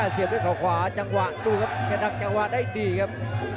เสียบด้วยเขาขวาจังหวะดูครับกระดักจังหวะได้ดีครับ